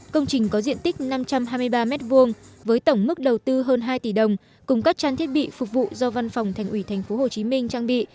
công trình có diện tích năm trăm hai mươi ba m hai với tổng mức đầu tư hơn hai tỷ đồng cùng các trang thiết bị phục vụ do văn phòng thành ủy tp hcm trang bị